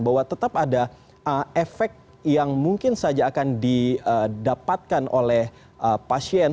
bahwa tetap ada efek yang mungkin saja akan didapatkan oleh pasien